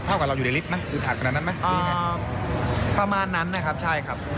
เท่ากับเราอยู่ในลิฟต์มั้ยอืมประมาณนั้นนะครับใช่ครับ